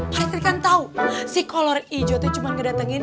pak rete kan tau si kolor ijo tuh cuman ngedatengin